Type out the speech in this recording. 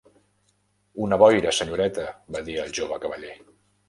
"Una boira, senyoreta", va dir el jove cavaller.